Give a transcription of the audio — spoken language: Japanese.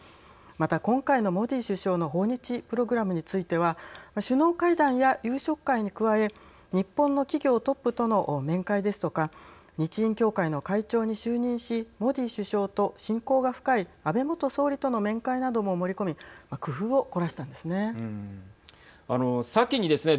また今回のモディ首相の訪日プログラムについては首脳会談や夕食会に加え日本の企業トップとの面会ですとか日印協会の会長に就任しモディ首相と親交が深い安倍元総理との面会なども盛り込み先にですね